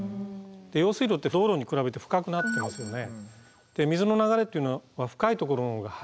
用水路って道路に比べて深くなってますよね。